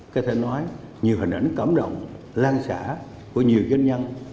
các thầy nói nhiều hình ảnh cảm động lan xã của nhiều doanh nhân